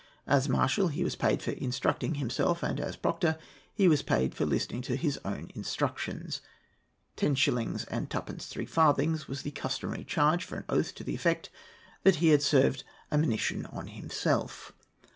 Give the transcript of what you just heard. As marshal he was paid for instructing himself, and as proctor he was paid for listening to his own instructions. Ten shillings and twopence three farthings was the customary charge for an oath to the effect that he had served a monition on himself.